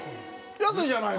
安いじゃないの。